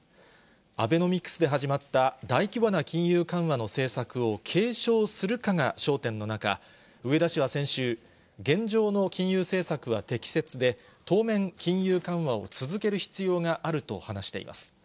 アベノミクスで始まった大規模な金融緩和の政策を継承するかが焦点の中、植田氏は先週、現状の金融政策は適切で、当面、金融緩和を続ける必要があると話しています。